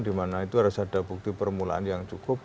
dimana itu harus ada bukti permulaan yang cukup